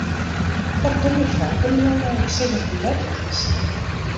Pardon, mefrou, kinne jo my ek sizze hoe let it is?